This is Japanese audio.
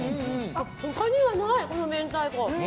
他にはない、この明太子。